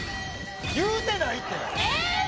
言うてないって！